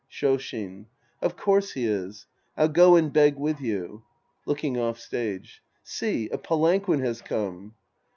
Shoshin. Of course he is. I'll go and beg with you. {Looking off stage.) See, a palanquin has come.